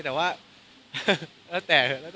แต่ว่าแล้วแต่